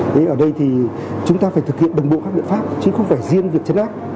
thế ở đây thì chúng ta phải thực hiện đồng bộ các biện pháp chứ không phải riêng việc chấn áp